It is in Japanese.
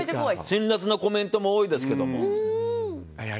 辛辣なコメントも多いですけども。